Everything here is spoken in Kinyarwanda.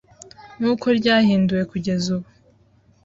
nk’uko ryahinduwe kugeza ubu,